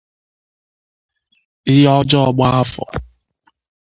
Ihe ọjọọ gbaa afọ